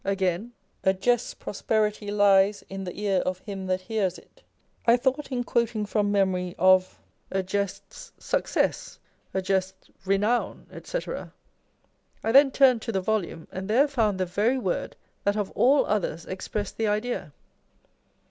Again A jest's prosperity lies in the ear Of him that hears it. I thought in quoting from memory, of " A jest's success," " A jest's renown" &c. I then turned to the volume, and there found the very word that of all others expressed the idea.